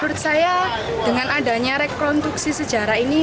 menurut saya dengan adanya rekonstruksi sejarah ini